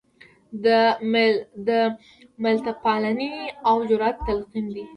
د ملتپالنې او جرات تلقین دی.